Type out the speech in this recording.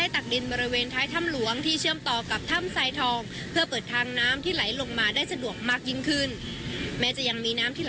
ตรงที่บริเวณไทยข้ำเนี่ยนะคะ